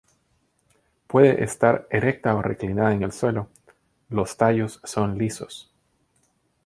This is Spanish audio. Puede estar erecta o reclinada en el suelo; los tallos son lisos.